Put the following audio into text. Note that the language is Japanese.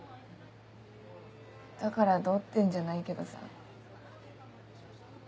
だからどうってんじゃないけどさ。